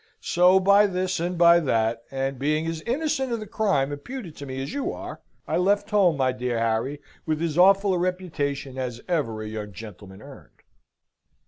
So, by this and by that and being as innocent of the crime imputed to me as you are I left home, my dear Harry, with as awful a reputation as ever a young gentleman earned."